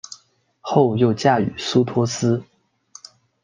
后又嫁予苏托斯。